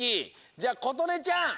じゃあことねちゃん！